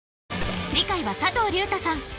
次回は佐藤隆太さん